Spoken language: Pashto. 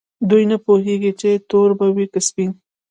دوی نه پوهیږي چې تور به وي که سپین.